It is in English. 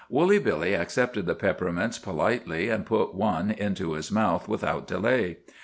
Woolly Billy accepted the peppermints politely, and put one into his mouth without delay.